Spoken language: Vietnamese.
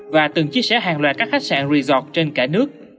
và từng chia sẻ hàng loạt các khách sạn resort trên cả nước